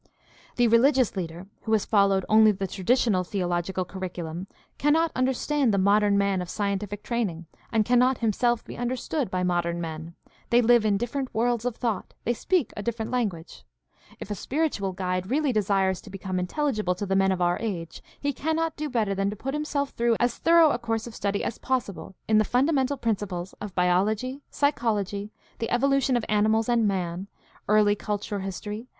The religious leader who has followed only the traditional theological curriculum cannot understand the modern man of scientific training and cannot himself be understood by modern men; they live in different worlds of thought; they speak a different language. If a spiritual guide really desires to become intelligible to the men of our age, he cannot do better than to put himself through as thorough a course of study as possible in the fundamental principles of biology, psychology, the evolution of animals and man, early culture history, anthropology, the evolution of morals and religion.